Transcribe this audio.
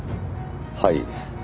はい。